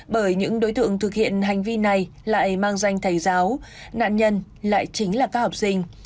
bởi những đối tượng thực hiện hành vi này lại mang danh thầy giáo nạn nhân lại chính là các học sinh